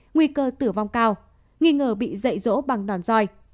nguy cơ tử vong cao nghi ngờ bị dạy rỗ bằng đòn roi